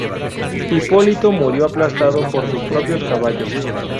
Hipólito murió aplastado por sus propios caballos.